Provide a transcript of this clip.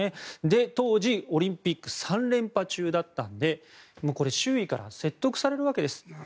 当時オリンピック３連覇中だったので周囲から説得されるわけです。